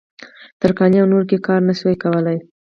ترکاڼۍ او نورو کې کار نه شوای کولای.